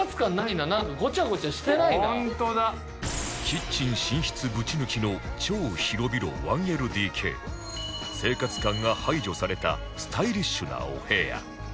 キッチン寝室ぶち抜きの生活感が排除されたスタイリッシュなお部屋